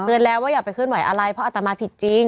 แล้วว่าอย่าไปเคลื่อนไหวอะไรเพราะอัตมาผิดจริง